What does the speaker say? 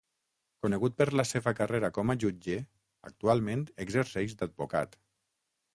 Conegut per la seva carrera com a jutge, actualment exerceix d'advocat.